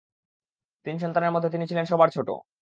তিন সন্তানের মধ্যে তিনি ছিলেন সবার ছোট।